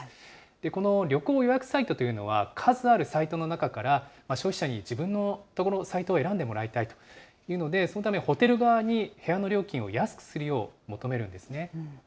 この旅行予約サイトというのは、数あるサイトの中から、消費者に自分のところのサイトを選んでもらいたいというので、そのためホテル側に部屋の料金を安くするよう、求めるんですね。